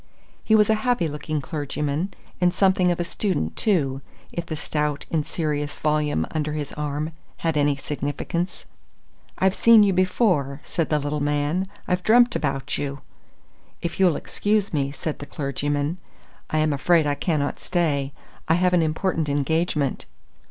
He was a happy looking clergyman, and something of a student, too, if the stout and serious volume under his arm had any significance. "I've seen you before," said the little man, "I've dreamt about you." "If you'll excuse me," said the clergyman, "I am afraid I cannot stay. I have an important engagement."